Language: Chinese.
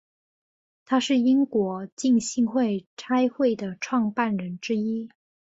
他是英国浸信会差会的创办人之一。